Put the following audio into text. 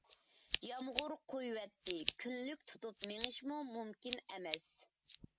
يامغۇر قۇيۇۋەتتى، كۈنلۈك تۇتۇپ مېڭىشمۇ مۇمكىن ئەمەس.